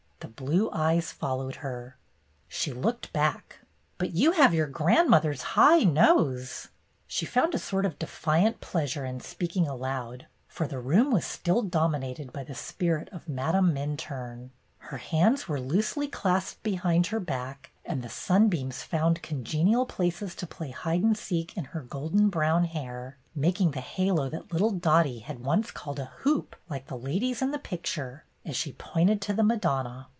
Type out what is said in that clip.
The blue eyes followed her. She looked back. " But you have your grandmother's high nose!" She found a sort of defiant pleasure in speaking aloud, for the room was still dom inated by the spirit of Madame Minturne. Her hands were loosely clasped behind her back, and the sunbeams found congenial places to play hide and seek in her golden brown hair, making the halo that little Dottie had once called a " hoop, like the lady's in the picture," as she pointed to the Madonna.